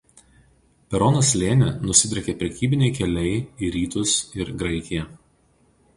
Per Ronos slėnį nusidriekė prekybiniai keliai į Rytus ir Graikiją.